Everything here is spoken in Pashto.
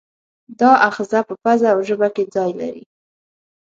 دا آخذه په پزه او ژبه کې ځای لري.